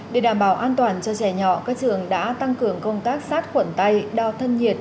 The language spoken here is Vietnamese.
để đảm bảo an toàn cho trẻ nhỏ các trường đã tăng cường công tác sát khuẩn tay đo thân nhiệt